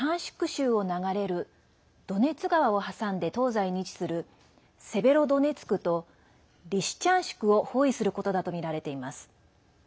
州を流れるドネツ川を挟んで東西に位置するセベロドネツクとリシチャンシクを包囲することだとみられています。